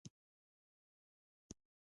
نجلۍ د دعا شپه خوښوي.